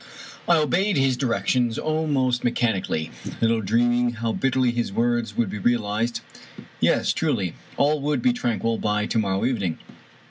I obeyed his directions almost mechanically, little dream ing how bitterly his words would be realized. Yes, truly I All would be tranquil by to morrow evening